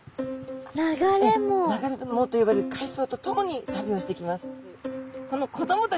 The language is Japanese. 流れ藻と呼ばれる海藻とともに旅をしてきます。